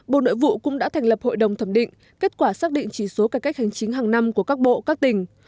bộ nội vụ cũng đã thành lập hội đồng thẩm định kết quả xác định chỉ số cải cách hành chính hàng năm của các bộ các tỉnh